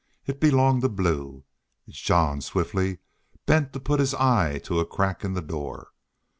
It belonged to Blue. Jean swiftly bent to put his eye to a crack in the door.